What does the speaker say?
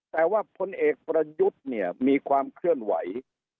แต่ว่าพลเอกประยุทธ์เนี่ยมีความเคลื่อนไหว